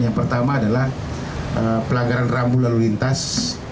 yang pertama adalah pelanggaran rambu lalu lintas